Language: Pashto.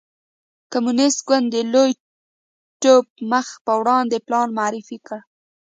کمونېست ګوند د لوی ټوپ مخ په وړاندې پلان معرفي کړ.